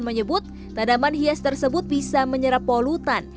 menyebut tanaman hias tersebut bisa menyerap polutan